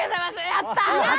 やった！